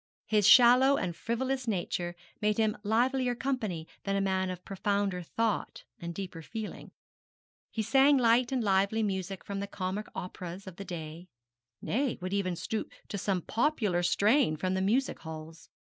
His shallow and frivolous nature made him livelier company than a man of profounder thought and deeper feeling. He sang light and lively music from the comic operas of the day, nay, would even stoop to some popular strain from the music halls.